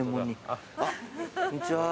あっこんにちは。